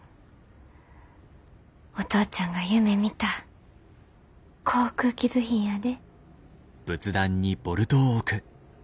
お父ちゃんが夢みた航空機部品やで。